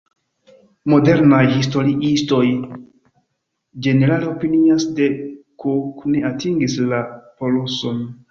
Modernaj historiistoj ĝenerale opinias, ke Cook ne atingis la poluson.